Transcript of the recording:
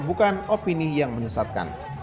bukan opini yang menyesatkan